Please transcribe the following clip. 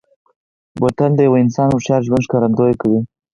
بوتل د یوه انسان هوښیار ژوند ښکارندوي کوي.